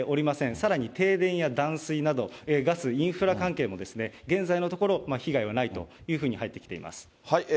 さらに停電や断水など、ガス、インフラ関係も現在のところ、被害はないというふうに入ってきています。